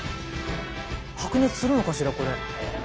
白熱するのかしらこれ。